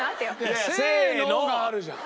いや「せーの」があるじゃん。